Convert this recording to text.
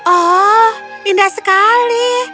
oh indah sekali